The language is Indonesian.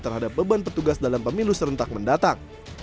terhadap beban petugas dalam pemilu serentak mendatang